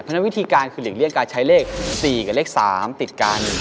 เพราะฉะนั้นวิธีการคือหลีกเลี่ยงการใช้เลข๔กับเลข๓ติดกัน